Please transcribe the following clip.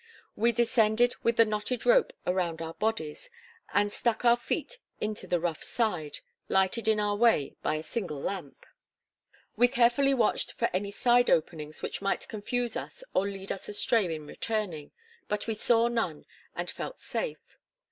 We descended with the knotted rope around our bodies, and stuck our feet into the rough side, lighted in our way by a single lamp. We carefully watched for any side openings which might confuse us or lead us astray in returning, but we saw none and felt safe.